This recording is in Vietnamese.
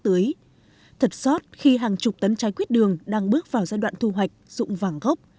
thật sót khi hàng chục tấn trái quyết đường đang bước vào giai đoạn thu hoạch dụng vàng gốc